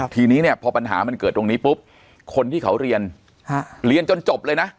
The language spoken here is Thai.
ทีนี้เนี่ยพอปัญหามันเกิดตรงนี้ปุ๊บคนที่เขาเรียนเรียนจนจบเลยนะ